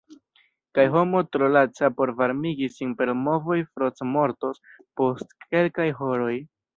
Kaj homo tro laca por varmigi sin per movoj frostmortos post kelkaj horoj.